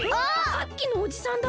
さっきのおじさんだ。